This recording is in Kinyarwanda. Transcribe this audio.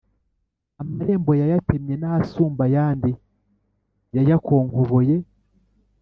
amaremare yayatemye, n’asumba ayandi yayakonkoboye.